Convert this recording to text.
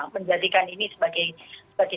menjadikan ini sebagai